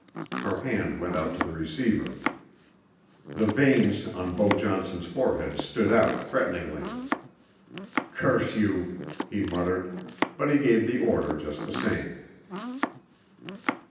Her hand went out to the receiver. The veins on Beau Johnson's forehead stood out threateningly. "Curse you!" he muttered; but he gave the order just the same.